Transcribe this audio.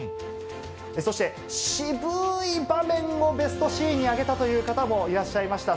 そして、渋い場面をベストシーンに挙げたという方も、いらっしゃいました。